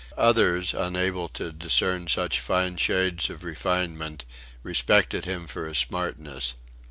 Others unable to discern such fine shades of refinement, respected him for his smartness.